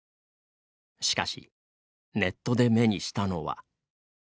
しかし、ネットで目にしたのは。